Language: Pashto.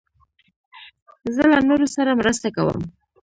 زه له نورو سره مرسته کوم.